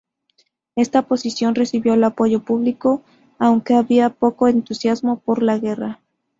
Esta posición recibió el apoyo público, aunque había poco entusiasmo por la guerra.